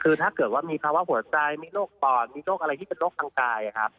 คือถ้าเกิดว่ามีภาวะหัวใจมีโรคฟอร์นมีอะไรที่เป็นโรคพัฒน์กาย